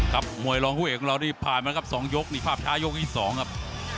มวยรองผู้เอกของเรานี่ผ่านมาครับ๒ยกนี่ภาพช้ายกที่๒ครับ